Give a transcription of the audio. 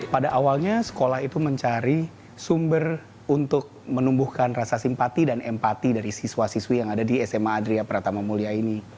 pada awalnya sekolah itu mencari sumber untuk menumbuhkan rasa simpati dan empati dari siswa siswi yang ada di sma adria pratama mulia ini